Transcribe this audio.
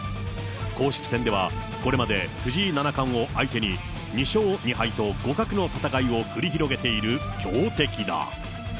公式戦ではこれまで藤井七冠を相手に、２勝２敗と互角の戦いを繰り広げている強敵だ。